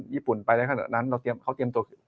ญี่ปุ่นไปได้ขนาดนั้น